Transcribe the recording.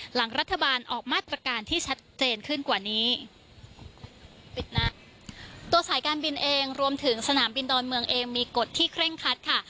หลังรัฐบาลออกมาตรการที่ชัดเจนขึ้นกว่านี้ปิดนะตัวสายการบินเองรวมถึงสนามบินดอนเมืองเองมีกฎที่เคร่งคัดค่ะ